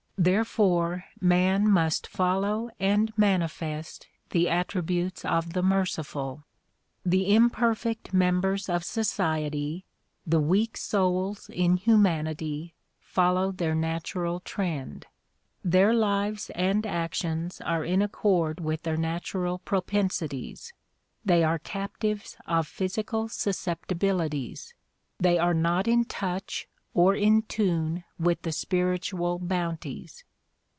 Therefore man must follow and manifest the attributes of the Merciful. The imperfect members of society, the weak souls in humanity follow their natural trend. Their lives and actions are in accord with their natural propensities; they are captives of physical sus ceptibilities; they are not in touch or in tune with the spiritual bounties.